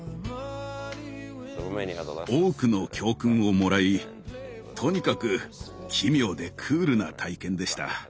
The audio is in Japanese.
多くの教訓をもらいとにかく奇妙でクールな体験でした。